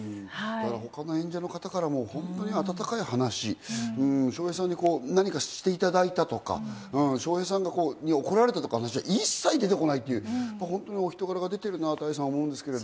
他の演者の方からも本当に温かい話、笑瓶さんに何かしていただいたとか、笑瓶さんに怒られたという話は一切、何にも出てこないという、ほんとにお人柄が出ているなと思うんですけれど。